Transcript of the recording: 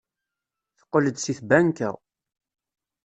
Teqqel-d seg tbanka.